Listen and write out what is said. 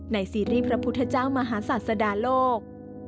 ซีรีส์พระพุทธเจ้ามหาศาสดาโลก